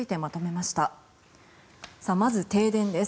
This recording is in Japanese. まず、停電です。